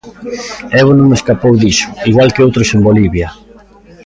Evo non escapou diso, igual que outros en Bolivia.